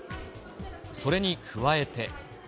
それに加えて。